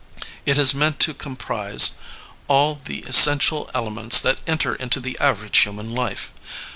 It is meant to comprise all the essential elements that enter into the average human life.